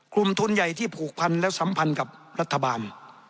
กลุ่มทุนใหญ่ที่ผูกพันและสัมพันธ์กับรัฐบาล